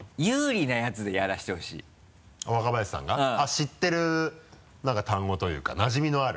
知ってる単語というかなじみのある？